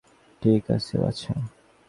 ঠিক আছে, বাছা।